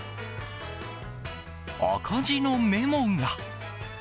赤字のメモが。